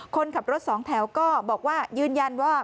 คนขับรถสองแถวก็ยื่นยันว่าคุณก็บอกว่า